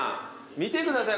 見てください